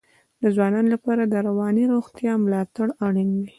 د ځوانانو لپاره د رواني روغتیا ملاتړ اړین دی.